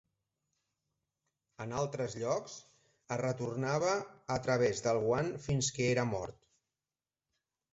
En altres llocs, es retornava a través del guant fins que era mort.